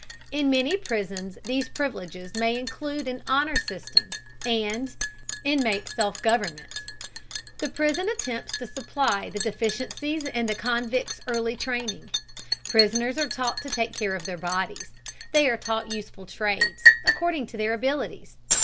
In many prisons these privileges may include an "honor system" and "inmate self government." The prison attempts to supply the deficiencies in the convict's early training. Prisoners are taught to take care of their bodies. They are taught useful trades, according to their abilities.